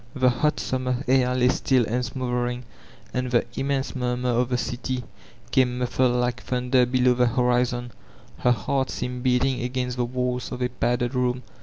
The hot summer air by still and smothering, and the immense murmur of the city came muffled like thunder below the horizon. Her h^rt seemed beating against the walls of a padded room.